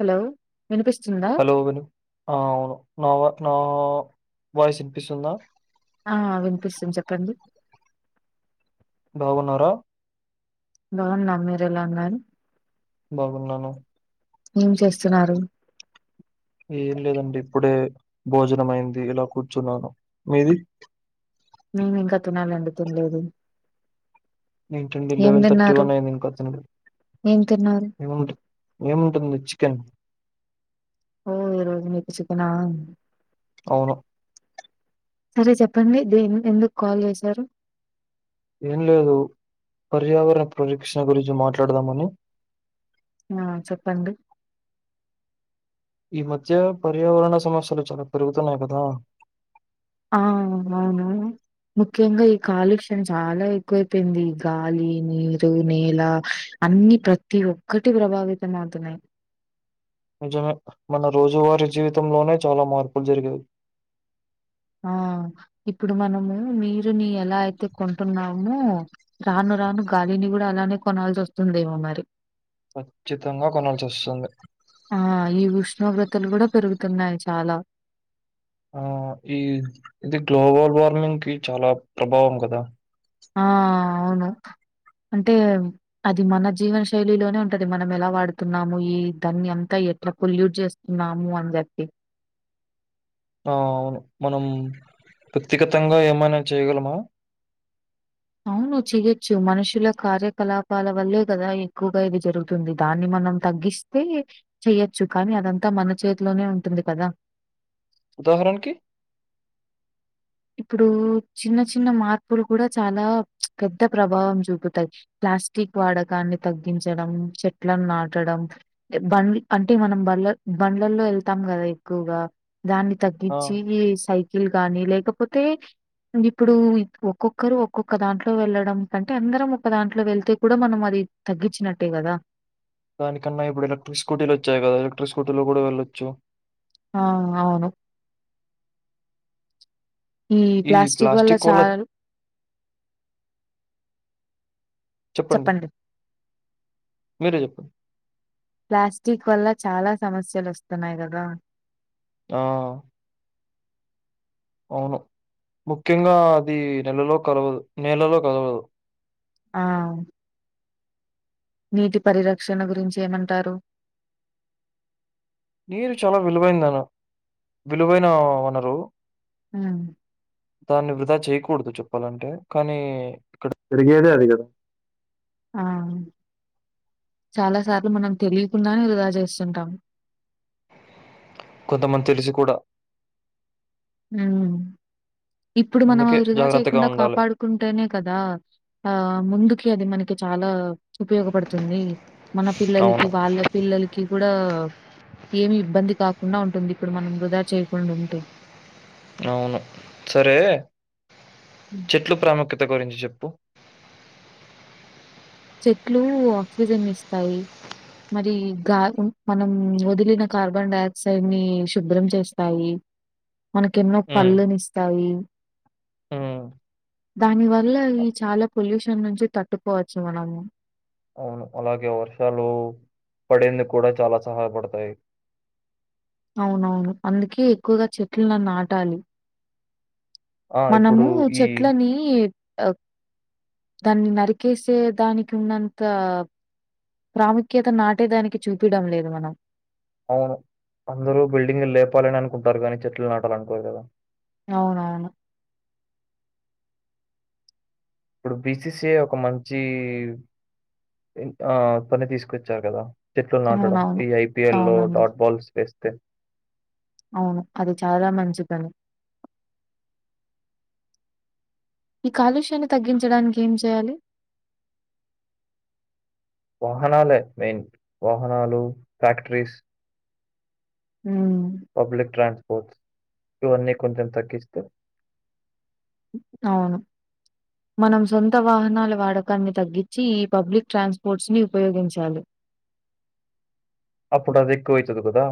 Hello! వినిపిస్తుందా hello విను ఆ అవును నా వ నా వాయిస్ ఇన్పిస్తుందా? ఆ విన్పిస్తున్ చెప్పండి? బాగున్నారా? బాగున్నా, మీరెలా ఉన్నారు? బాగున్నాను. ఏం చేస్తున్నారు? ఏం లేదండి ఇప్పుడే భోజనం అయింది ఇలా కూర్చున్నాను మీది నేనింక తినాలండి తిన్లేదు. ఏంటండి లెవెన్ థర్టీ వన్ అయింది ఇంకా తిన్లే ఏం తిన్నారు ఏముంట ఏముంటది మీద్ చికెన్ ఓ ఈ రోజు మీది చికెనా అవును సరే చెప్పండి దే ఎన్ ఎందుక్ కాల్ చేశారు? ఏం లేదు పర్యావరణ ప్రరక్షణ గురించి మాట్లాడ్దామని ఆ చెప్పండి. ఈ మధ్య పర్యావరణ సమస్యలు చాలా పెరుగుతున్నాయి కదా ఆ అవునా ముఖ్యంగా ఈ కాలుష్యం చాలా ఎక్కువైపోయింది గాలి, నీరు, నేల అన్నీ ప్రతి ఒక్కటి ప్రభావితం అవుతున్నాయి. నిజమే మన రోజువారి జీవితంలోనే చాలా మార్పులు జరిగాయి. ఆ ఇప్పుడు మనము నీరుని ఎలా అయితే కొంటున్నామో రాను రాను గాలిని కూడా అలానే కొనాల్సొస్తుందేమో మరి ఖచ్చితంగా కొనాల్సొస్తుంది. ఆ ఈ ఉష్ణోగ్రతలు గూడా పెరుగుతున్నాయి చాలా ఆ ఈ ఇది గ్లోబల్ వార్మింగ్కి చాలా ప్రభావం కదా ఆ.... అవును. అంటే అది మన జీవన శైలిలోనే ఉంటది మనం ఎలా వాడుతున్నాము ఈ దాన్ని ఎంత ఎట్ల పొల్యూట్ చేస్తున్నాము అన్ జెప్పి ఆ అవును మనం వ్యక్తిగతంగా ఏమైనా చేయగలమా? అవును చేయొచ్చు మనుషుల కార్యకలాపాల వల్లే కదా ఎక్కువగా ఇది జరుగుతుంది దాన్ని మ మనం తగ్గిస్తే చెయ్యొచ్చు కానీ అదంతా మన చేతిలోనే ఉంటుంది కదా ఉదాహరణకి ఇప్పుడు చిన్న చిన్న మార్పులు కూడా చాలా పెద్ద ప్రభావం చూపుతాయి ప్లాస్టిక్ వాడకాన్ని తగ్గించడం చెట్లను నాటం అంటే మనం బండ్లల్లో వెళ్తాం కదా ఎక్కువగా దాన్ని ఆ! తగ్గించి సైకిల్ గానీ లేక పోతే ఇప్పుడు ఒక్కొక్కరు ఒక్కొక్క దాంట్లో వెళ్ళడం కంటే అందరం ఒక్క దాంట్లో వెళ్తే కూడా మనం అది తగ్గించినట్టే కదా దానికన్నా ఇప్పుడు ఎలక్ట్రిక్ స్కూటీలు వచ్చాయి కదా ఎలక్ట్రిక్ స్కూటీలో కూడా వెళ్ళొచ్చు ఆ అవును ఈ ప్లాస్టిక్ వల్ల చాల చెప్పండి మీరే చెప్పండి ప్లాస్టిక్ వల్ల చాలా సమస్యలు వస్తున్నాయి కదా ఆ అవును ముఖ్యంగా అది నెలలో కలవదు నేలలో కలవదు ఆ నీటి పరిరక్షణ గురించి ఏమంటారు నీరు చాలా విలువైందన్న విలువైన వనరు ఆ దాన్ని వృధా చేయకూడదు చెప్పాలంటే కానీ ఇక్కడ జరిగేదే అది కదా ఆ చాలా సార్లు మనం తెలియకుండానే వృధా చేస్తుంటాము కొంతమంది తెలిసి కూడా మ్ ఇప్పుడు మనం అందుకే వృధా జాగ్రత్తగా చేయకుండా ఉండాలి. కాపాడుకుంటేనే కదా ఆ ముందుకి అది మనక్ కి చాలా ఉపయోగపడుతుంది మన అవును. పిల్లలకి వాళ్ళ పిల్లలకి కూడా ఏమి ఇబ్బంది కాకుండా ఉంటుంది ఇప్పుడు మనం వృధా చేయకుండా ఉంటే అవును సరే హ్మ్. చెట్లు ప్రాముఖ్యత గురించి చెప్పు చెట్లు ఆక్సిజన్ ఇస్తాయి మరి గా మనం వదిలిన కార్బన్ డైఆక్సైడ్ ని శుభ్రం చేస్తాయి [inaudible] మనకి ఎన్నో హ్మ్. పళ్ళునిస్తాయి హ్మ్. దాని వల్ల అ ఈ చాలా పొల్యూషన్ నుంచి తట్టుకోవ చ్చు మనం అవును అలాగే వర్షాలు పడేందుకు కూడా చాలా సహాయపడతాయి అవునవును అందుకే ఎక్కువగా చెట్లును నాటాలి ఆ! ఇప్పుడు మనము ఈ చెట్లని ఆ దాన్ని నరికేసే దానికి ఉన్నంత ప్రాముఖ్యత నాటేదానికి చూపిడం లేదు మనం అవును అందరూ బిల్డింగ్ లేపాలని అనుకుంటారు కానీ చెట్లు నాటాలనుకోరు కదా అవునవును ఇప్పుడు బిసిసిఏ ఒక మంచి ఆ పని తీసుకొచ్చారు కదా చెట్లు నాటడం అవునవును. ఈ ఐపీఎల్ లో అవునండి. డాట్ బాల్స్ వేస్తే అవును అది చాలా మంచిపని ఈ కాలుష్యాన్ని తగ్గించడానికి ఏం చేయాలి వాహనాలే మెయిన్ వాహనాలు ఫ్యాక్టరీస్ హ్మ్. పబ్లిక్ ట్రాన్స్పోర్ట్ ఇవన్నీ కొంచెం తగ్గిస్తే అవును మనం సొంత వాహనాల వాడకాన్ని తగ్గించి ఈ పబ్లిక్ ట్రాన్స్పోర్ట్స్ ని ఉపయోగించాలి అప్పుడది ఏక్కువతది కదా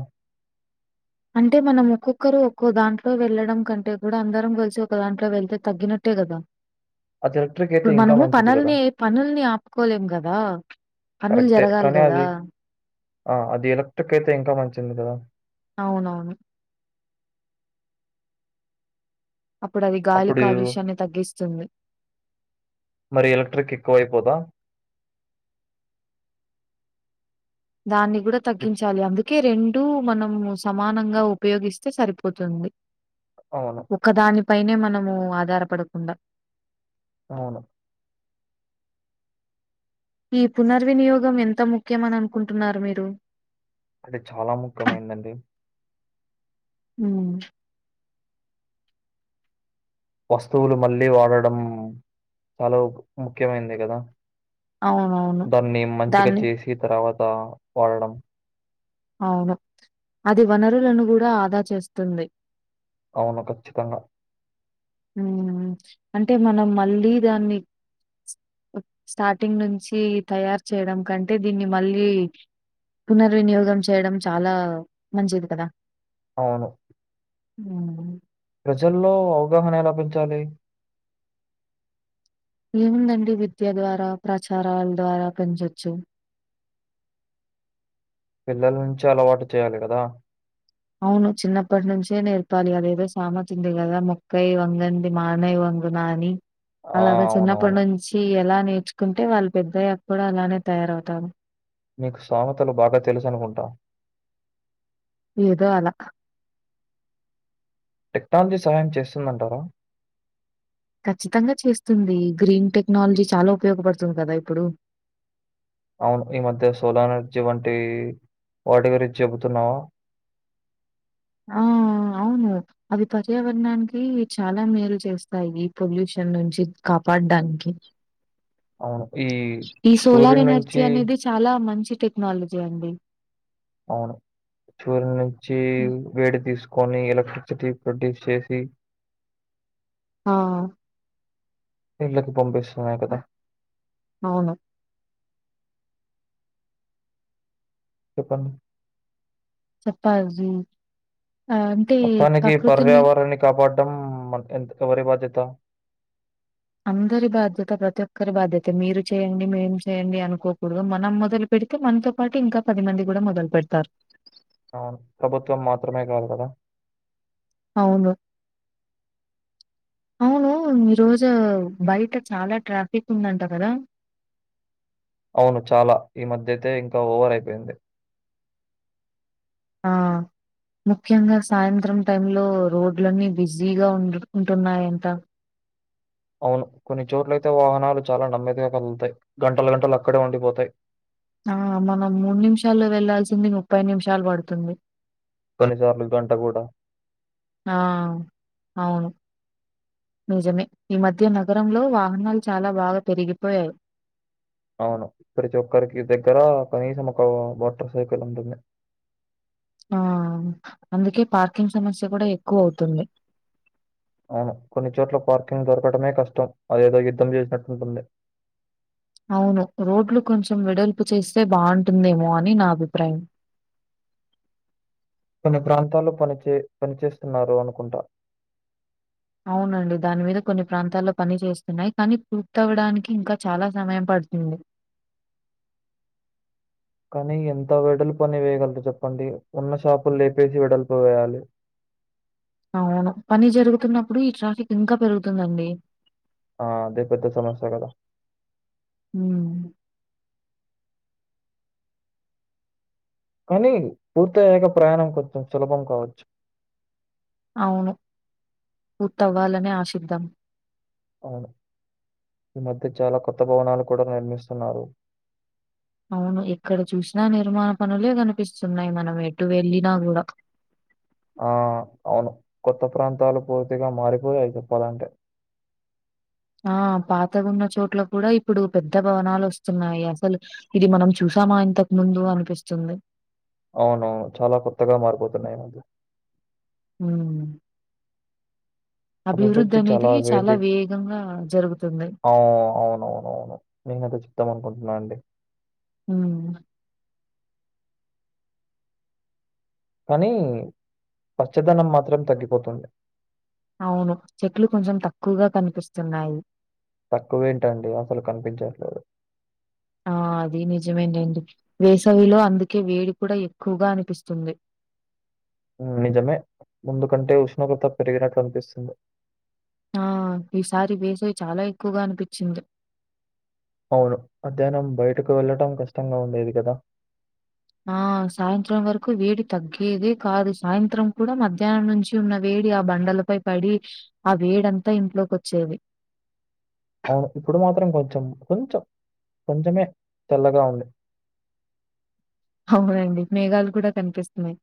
అంటే మనం ఒక్కొక్కరు ఒక్కో దాంట్లో వెళ్ళడం కంటే కూడా అందరం కలిసి ఒక దాంట్లో వెళ్తే తగ్గినట్ ట్టే కదా అట్లే ఇప్పుడు మనము పనుల్ని పనుల్ని ఆపుకోలేం కదా పనులు కరెక్టే. జరగాలి కానీ అది కదా ఆ అది ఎలక్ట్రిక్ అయితే ఇంకా మంచిది కదా అవునవును అప్పుడు అది అప్పుడు గాలిికలుష్యాన్ని తగ్గిస్తుంది మరి ఎలక్ట్రిక్ ఎక్కువ అైపోదా దాన్ని కూడా విత్ తగ్గించాలి అందు కే రెండు మనం సమానంగా ఉపయోగిస్తే సరిపోతుంది అవును. ఒకదానిపైనే మనము ఆధారపడకుండా అవును ఈ పునర్వినియోగం ఎంత ముఖ్యమని అనుకుంటున్నారు మీరు అంటే చాలా ముఖ్యమైందండి మ్ వస్తువులు మళ్ళీ వాడడం చాలా ముఖ్యమైంది కదా అవునవును. దాన్ని మంచిగా దాన్ని చేసి తర్వాత వాడడం అవును అది వనరులను కూడా ఆదా చేస్తుంది అవును ఖచ్చితంగా మ్ అంటే మనం మళ్ళీ దాన్ని స్టార్టింగ్ నుంచి తయారు చేయడం కంటే దీన్ని మళ్ళీ పునర్వినియోగం చేయడం చాలా మంచిది కదా అవును మ్ ప్రజల్లో అవగాహన ఎలా పెంచాలి ఏముందండి విద్య ద్వారా ప్రచారాల ద్వారా పెంచోచ్చు పిల్లల నుంచి అలవాటు చేయాలి కదా అవును చిన్నప్పటి నుంచే నేర్పాలి అదేదో సామేతి ఉంది కదా మొక్కయ్ వంగనిది మానై వన్ నాని ఆ! అలాగా చిన్నప్పటి అవునవును. నుంచి అలా నేర్చుకుంటే వాళ్ళు పెద్దయ్యాక కూడా అలానే తయారవుతారు నికు సామతలు బాగా తెలుసు అనుకుంటా ఇదో అలా టెక్నాలజీ సహాయం చేస్తుందంటారా ఖచ్చితంగా చేస్తుంది గ్రీన్ టెక్నాలజీ చాలా ఉపయోగపడుతుంది కదా ఇప్పుడు అవును ఈ మధ్య సోలార్ ఎనర్జీ వంటి వాటి గురించి చెబుతున్నావా ఆ అవును అవి పర్యావరణానికి చాలా మేలు చేస్తాయి పొల్యూషన్ నుంచి కాపా అడ్డానికి అవును. ఈ ఈ సోలార్ సూర్యుడి ఎనర్జీ నుంచి అనేది చాలా మంచి టెక్నాలజీ అండి అవును చూరు నుంచి హ్మ్. వేడి తీస్ కొని ఎలక్ట్రిసిటీ ప్రొడ్యూస్ చేసి ఓ ఇళ్లకు పంపిస్తున్నాయి కదా అవును చెప్పండి చెప్పజి మొత్తానికి పర్యావరణాన్ని కాపాడ్డం ఎన్ ఎవరి బాధ్యత అందరి బాధ్యత ప్రతి ఒక్కరి బాధ్యత మీరు చేయండి మేము చేయండి అనుకోకూడదు మనం మొదలు పె పెడితే మనతో పాటు ఇంకా పది మంది కూడా మొదలు పెడతారు అవును ప్రభుత్వం మాత్రమే గాదు కదా అవును అవును ఈరోజు బయట చాలా ట్రాఫిక్ ఉందంట కదా అవును చాలా ఈ మధ్యయితే ఇంకా ఓవర్ అయిపోయింది ఆ ముఖ్యంగా సాయంత్రం టైంలో రోడ్లన్నీ బిజీగా ఉ ఉంటున్నాయంట అవును కొన్ని చోట్లయితే వాహనాలు చాలా నమ్మేదిగా కదులుతాయి గంటల గంటలు అక్కడే ఉండిపోతాయి ఆ మనం మూడు నిమిషాల్లో వెళ్లాల్సింది ముప్పై నిమిషాలు పడుతుంది కొన్నిసార్లు గంట కూడా ఆ అవును నిజమే ఈ మధ్య నగరంలో వాహనాలు చాలా బాగా పెరిగిపోయాయి అవును ప్రతి ఒక్కరికి దగ్గర కనీసం ఒక మోటార్ సైకిల్ ఉంటుంది ఆ అందుకే పార్కింగ్ సమస్య కూడా ఎక్కువవుతుంది అవును కొన్ని చోట్ల పార్కింగ్ దొరకటమే కష్టం అదేదో యుద్ధం చేసినట్టుంటుంది అవును రోడ్లు కొంచెం వెడల్పు చేస్తే బావుంటుందేమో అని నా అభిప్రాయం కొన్ని ప్రాంతాల్లో పనిచే పనిచేస్తున్నారు అనుకుంట అవునండి దాని మీద కొన్ని ప్రాంతాల్లో పని చేస్తున్నాయి కానీ పూర్తవడానికి ఇంకా చాలా సమయం పడ్ తింది కానీ ఎంత వెడల్పని వేయగలరు చెప్పండి ఉన్న షాపులు లేపేసి వెడల్పేయాలి అవును పని జరుగుతున్నప్పుడు ఈ ట్రాఫిక్ ఇంకా పెరుగుతుందండి ఆ అదే పెద్ద సమస్య కదా మ్ కానీ పూర్తయ్యాక ప్రయాణం కొంచెం సులభం కావచ్చు అవును పూర్తవ్వాలని ఆశిద్దాం అవ్ను ఈ మధ్య చాలా కొత్త భవనాలు కూడా నిర్మిస్తున్నారు అవును ఎక్కడ చూసినా నిర్మాణ పనులే కనిపిస్తున్నాయి మనం ఎటు వెళ్ళిన గూడా ఆ అవును కొత్త ప్రాంతాలు పూర్తిగా మారిపోయాయి చెప్పాలంటే ఆ పాత ఉన్న చోట్ల కూడా ఇప్పుడు పెద్ద భవనాలు వస్తున్నాయి. అసలు ఇది మనం చూ స్తామా ఇంతకు ముందు అనిపిస్తుంది అవునువును చాలా కొత్తగా మారిపోతున్నాయి మాకు హ అభివృద్ధి చాల చాలా వేది వేగంగా జరుగుతుంది. అవు అవునువునువును ఈయనతో చెప్దాం అనుకుంటున్నా అండి ఔన కానీ పచ్చదనం మాత్రం తగ్గిపోతుంది. అవును చెట్లు కొంచెం తక్కువగా కనిపిస్తున్నాయి. తక్కువేంటండి అసలు కనిపించట్లేదు. ఆ! అది నిజమేనండి వేసవిలో అందుకే వేడి కూడా ఎక్కువగా అనిపిస్తుంది. నిజమే ముందుకంటే ఉష్ణోగ్రత పెరిగినట్లు అనిపిస్తుంది. ఆ ఈసారి వేసవి చాలా ఎక్కువగా అనిపించింది. అవును మధ్యాహ్నం బయటకు వెళ్ళటం కష్టంగా ఉండేది కదా. ఆ సాయంత్రం వరకు వేడి తగ్గేదే కాదు. సాయంత్రం కూడా మధ్యాహ్నం నుంచి ఉన్న వే డి ఆ బండల పై పడి ఆ వేడంతా ఇంట్లోకి వచ్చేది. అవును ఇప్పుడు మాత్రం కొంచెం కొంచెం కొంచమే తెల్లగా ఉంది. అవునండి మేఘాలు కూడా కనిపిస్తున్నాయి.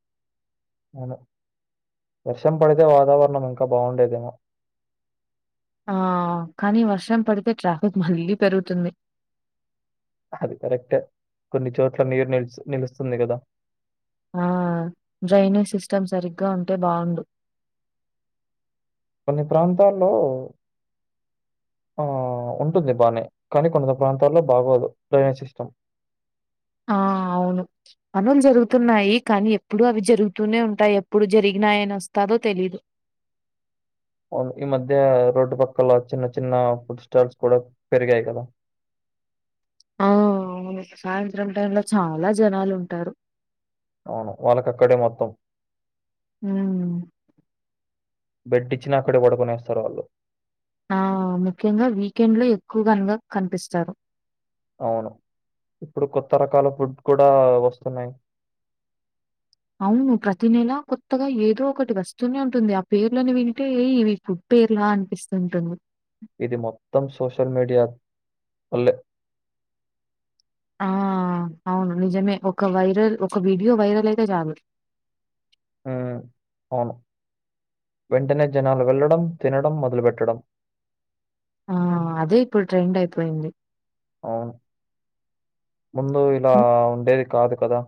అవును వర్షం పడితే వాతావరణం ఇంకా బాగుండేదేమో ఆ కానీ వర్షం పడితే ట్రాఫిక్ మళ్ళీ పెరుగుతుంది. అది కరెక్ట్ కొన్ని చోట్ల నీరు నిల్చ నిలుస్తుంది కదా ఆ డ్రైనేజ్ సిస్టమ్ సరిగ్గా ఉంటే బావుండు కొన్ని ప్రాంతాల్లో ఆ ఉంటుంది బానే కానీ కొంత ప్రాంతాల్లో బాగోదు డ్రైనేజ్ సిస్టమ్. ఆ అవును పనులు జరుగుతున్నాయి కానీ ఎప్పుడు అవి జరుగుతూనే ఉంటాయి. ఎప్పుడు జరిగినాయన వస్తా దో తెలీదు ఓ ముకి మధ్య రోడ్డు పక్కల చిన్న చిన్న ఫుడ్ స్టాల్స్ కూడా పెరిగాయి కదా ఆ అవును సాయంత్రం టైమ్ లో చాలా జనాలు ఉంటారు. అవును వాళ్ళకక్కడే మొత్తం అవును బెడ్ ఇచ్చినా అక్కడే వడుకొనేస్తారు వాళ్ళు ఆ ముఖ్యంగా వీకెండ్ లో ఎక్కువగానగా కనిపిస్తారు. అవును ఇప్పుడు కొత్త రకాల ఫుడ్ కూడా వస్తున్నాయి. అవును ప్రతి నెలా కొత్తగా ఏదో ఒకటి వస్తూనే ఉంటుంది. ఆ పేర్లోనే వినింటే ఏయి వీపు పేర్లా అనిపిస్తుంటుంది. ఇది మొత్తం సోషల్ మీడియా వల్లే ఆ అవును నిజమే ఒక వైరల్ ఒక వీడియో వైరల్ అయితే చాలు హ అవును వెంటనే జనాలు వెళ్లడం తినడం మొదలుపెట్టడం ఆ అదే ఇప్పుడు ట్రెండ్ అయిపోయింది అవును ముందు ఇలా హ్మ్. ఉండేది కాదు కదా